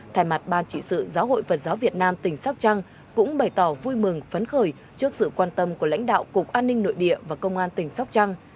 thay mặt ban trị sự giáo hội phật giáo việt nam tỉnh sóc trăng cũng bày tỏ vui mừng phấn khởi trước sự quan tâm của lãnh đạo cục an ninh nội địa và công an tỉnh sóc trăng